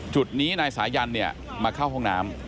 จุดนี้นายสายันมาเข้าห้องน้ำ